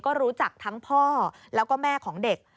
ก็รู้จักทั้งพ่อแล้วก็แม่ของเด็ก